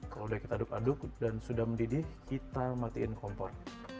kalau udah kita aduk aduk dan sudah mendidih kita matiin kompor